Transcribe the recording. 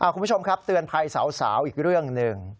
คุณผู้ชมครับเตือนภัยสาวอีกเรื่องหนึ่ง